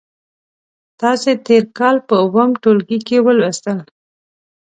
تاسې تېر کال په اووم ټولګي کې ولوستل.